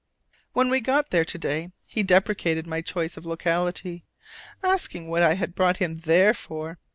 When we got there to day, he deprecated my choice of locality, asking what I had brought him there for.